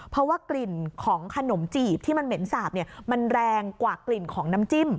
เพราะว่ากลิ่นของขนมจีบที่มันเหม็นสาบมันแรงกว่ากลิ่นของน้ำจิ้ม